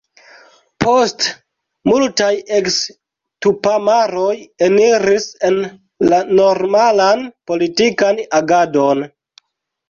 Poste multaj eks-tupamaroj eniris en la normalan politikan agadon.